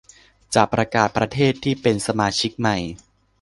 จะประกาศประเทศที่เป็นสมาชิกใหม่